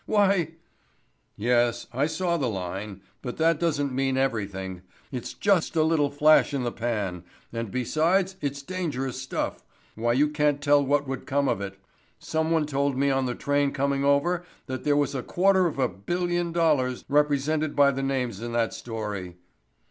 Why——" "Yes, I saw the line, but that doesn't mean everything. It's just a little flash in the pan, and besides it's dangerous stuff—why you can't tell what would come of it. Someone told me on the train coming over that there was a quarter of a billion dollars represented by the names in that story."